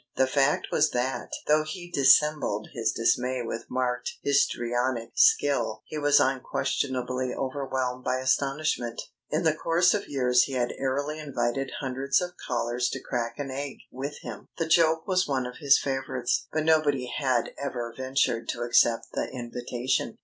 The fact was that, though he dissembled his dismay with marked histrionic skill, he was unquestionably overwhelmed by astonishment. In the course of years he had airily invited hundreds of callers to crack an egg with him, the joke was one of his favourites, but nobody had ever ventured to accept the invitation.